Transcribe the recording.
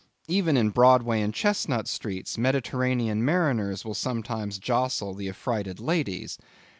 Even in Broadway and Chestnut streets, Mediterranean mariners will sometimes jostle the affrighted ladies.